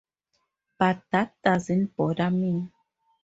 But that doesn't bother me.